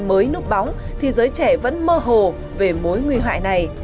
mới núp bóng thì giới trẻ vẫn mơ hồ về mối nguy hại này